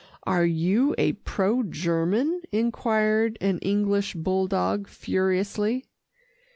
"Are you a pro German?" enquired an English bulldog furiously.